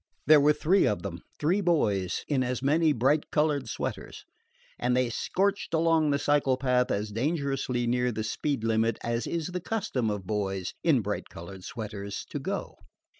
There were three of them, three boys, in as many bright colored sweaters, and they "scorched" along the cycle path as dangerously near the speed limit as is the custom of boys in bright colored sweaters to go.